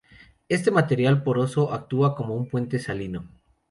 Este material poroso actúa como un puente salino.